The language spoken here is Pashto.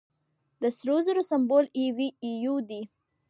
د سرو زرو سمبول ای یو دی.